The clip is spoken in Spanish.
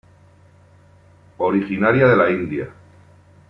Originaria de la India.